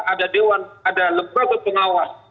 ada dewan ada lembaga pengawas